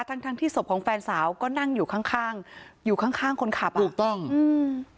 ทั้งทั้งที่ศพของแฟนสาวก็นั่งอยู่ข้างข้างอยู่ข้างข้างคนขับอ่ะถูกต้องอืม